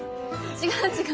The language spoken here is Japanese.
違う違う。